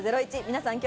皆さん